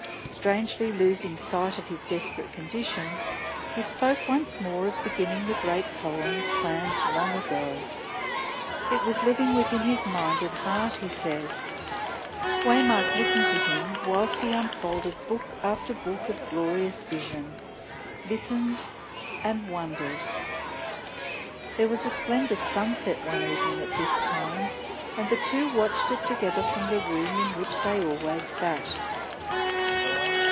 Strangely losing sight of his desperate condition, he spoke once more of beginning the great poem planned long ago. It was living within his mind and heart, he said. Waymark listened to him whilst he unfolded book after book of glorious vision; listened, and wondered. There was a splendid sunset one evening at this time, and the two watched it together from the room in which they always sat.